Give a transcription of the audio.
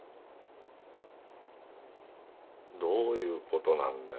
どういう事なんだよ？